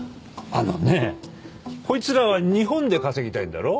あのねこいつらは日本で稼ぎたいんだろ？